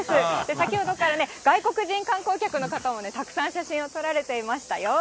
先ほどから外国人観光客の方もたくさん写真を撮られていましたよ。